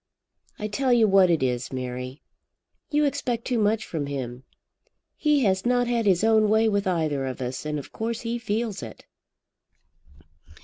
"I tell you what it is, Mary. You expect too much from him. He has not had his own way with either of us, and of course he feels it."